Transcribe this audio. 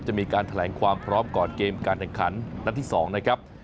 จะมีการแถลงความพร้อมก่อนเกมการแข่งขันนัดที่๒นะครับ